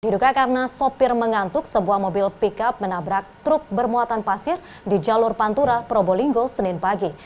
diduga karena sopir mengantuk sebuah mobil pickup menabrak truk bermuatan pasir di jalur pantura probolinggo senin pagi